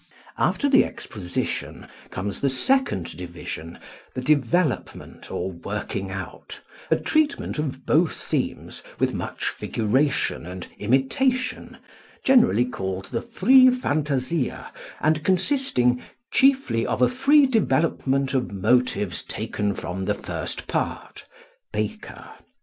After the exposition comes the second division, the development or "working out," a treatment of both themes with much figuration and imitation, generally called the "free fantasia" and consisting "chiefly of a free development of motives taken from the first part" (Baker).